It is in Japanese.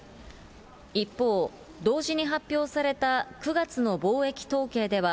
一方、同時に発表された９月の貿易統計では、